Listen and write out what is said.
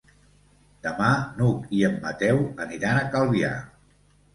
Demà n'Hug i en Mateu aniran a Calvià.